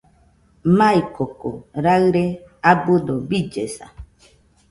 Maikoko raɨre abɨdo billesa